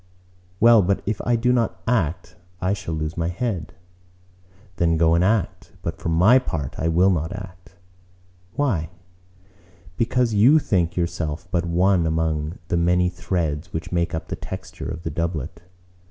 "Well, but if I do not act, I shall lose my head." "Then go and act! But for my part I will not act." "Why?" "Because you think yourself but one among the many threads which make up the texture of the doublet.